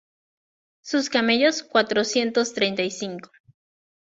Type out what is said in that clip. Sus camellos, cuatrocientos treinta y cinco;